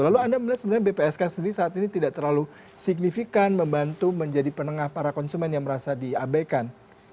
lalu anda melihat sebenarnya bpsk sendiri saat ini tidak terlalu signifikan membantu menjadi penengah para konsumen yang merasa diabaikan